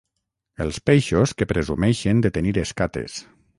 Els peixos que presumeixen de tenir escates.